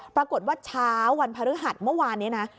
ปรากฏว่าเช้าวันพฤหัสเมื่อวานนี้นะ